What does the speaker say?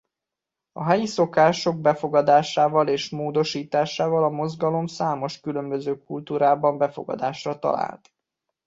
A helyi szokások befogadásával és módosításával a mozgalom számos különböző kultúrában befogadásra talált.